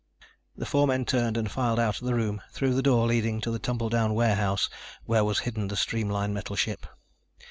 The four men turned and filed out of the room, through the door leading to the tumbledown warehouse where was hidden the streamlined metal ship.